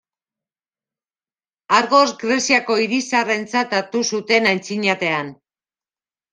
Argos Greziako hiri zaharrentzat hartu zuten antzinatean.